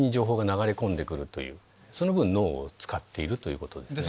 その分脳を使っているということですね。